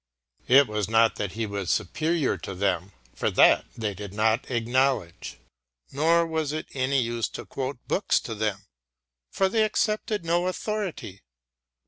It was not that he was superior to them, for that they did not acknowledge, nor was it any use to quote books to them, for they accepted no authority.